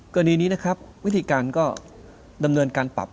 กรณีนี้นะครับวิธีการก็ดำเนินการปรับ